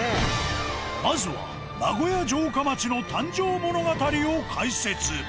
まずは名古屋城下町の誕生物語を解説。